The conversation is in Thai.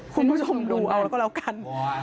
คุณผู้ชมดูเอาแล้วก็แล้วกัน